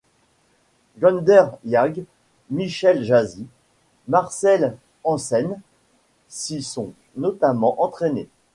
Gunder Hägg, Michel Jazy, Marcel Hansenne s'y sont notamment entraînés.